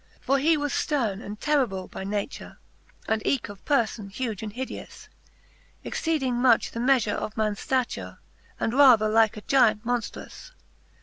XLI. For he was fterne, and terrible by nature, And eeke of perfon huge and hideous. Exceeding much the meafure of mans ftature, And rather like a Gyant monftruous.